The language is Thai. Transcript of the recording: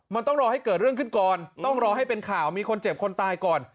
มันต้องรอให้เกิดเรื่องขึ้นก่อนต้องรอให้เป็นข่าวมีคนเจ็บคนตายก่อน